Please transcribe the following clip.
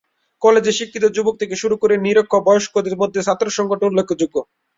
কলেজের শিক্ষিত যুবক থেকে শুরু করে নিরক্ষর বয়স্কদের মধ্যে ছাত্র সংগঠন উল্লেখযোগ্য।